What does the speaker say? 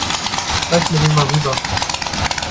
Reich mir den mal rüber.